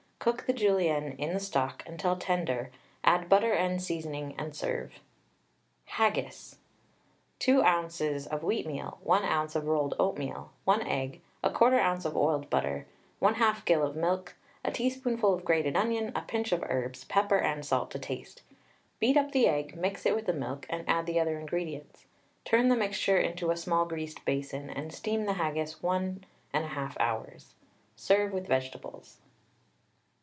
Cook the Julienne in the stock until tender, add butter and seasoning and serve. HAGGIS. 2 oz. of wheatmeal, 1 oz. of rolled oatmeal, 1 egg, 1/4 oz. of oiled butter, 1/2 gill milk, a teaspoonful of grated onion, a pinch of herbs, pepper and salt to taste. Beat up the egg, mix it with the milk, and add the other ingredients. Turn the mixture into a small greased basin, and steam the haggis 1 1/2 hours. Serve with vegetables.